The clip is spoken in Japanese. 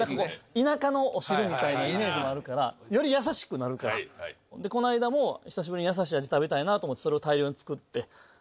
田舎のお汁みたいなイメージもあるから。より優しくなるからでこの間も久しぶりに優しい味食べたいなと思ってそれを大量に作って。